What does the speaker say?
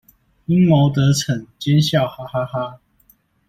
陰謀得逞，奸笑哈哈哈